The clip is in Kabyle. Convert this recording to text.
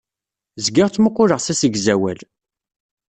Zgiɣ ttmuquleɣ s asegzawal.